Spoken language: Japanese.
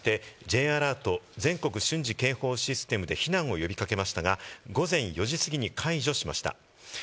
政府は沖縄県に対してＪアラート＝全国瞬時警報システムで避難を呼び掛けましたが、午前４時過ぎに解除しました。